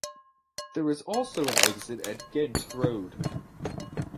There is also an exit at Ghent Road.